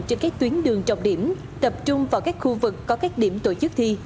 trên các tuyến đường trọng điểm tập trung vào các khu vực có các điểm tổ chức thi